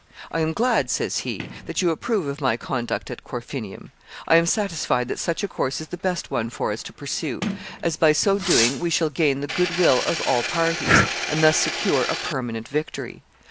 "I am glad," says he, "that you approve of my conduct at Corfinium. I am satisfied that such a course is the best one for us to pursue, as by so doing we shall gain the good will of all parties, and thus secure a permanent victory.